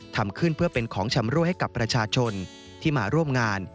ทำขึ้นเพื่อเป็นของชำรวยให้กับประชาชนที่มาร่วมงาน